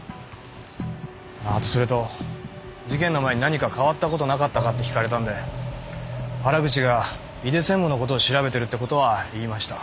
あとそれと事件の前に何か変わった事なかったかって聞かれたんで原口が井出専務の事を調べてるって事は言いました。